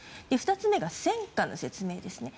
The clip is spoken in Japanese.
２つ目が戦果の説明ですね。